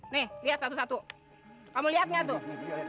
nih lihat satu satu kamu lihat nggak tuh